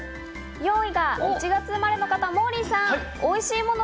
４位が１月生まれの方、モーリーさん。